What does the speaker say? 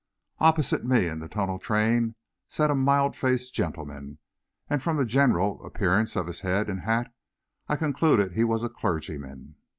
Opposite me in the tunnel train sat a mild faced gentleman, and from the general, appearance of his head and hat I concluded he was a clergyman.